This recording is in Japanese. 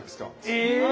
え！